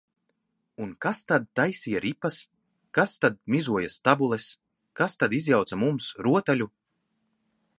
Un kas tad taisīja ripas, kas tad mizoja stabules, kas tad izjauca mums rotaļu?